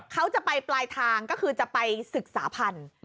เขาจะไปปลายทางก็คือจะไปศึกษาพันธุ์